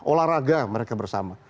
olahraga mereka bersama